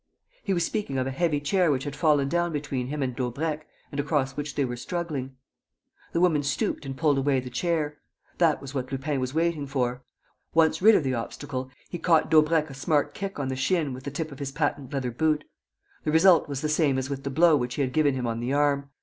He was speaking of a heavy chair which had fallen down between him and Daubrecq and across which they were struggling. The woman stooped and pulled away the chair. That was what Lupin was waiting for. Once rid of the obstacle, he caught Daubrecq a smart kick on the shin with the tip of his patent leather boot. The result was the same as with the blow which he had given him on the arm.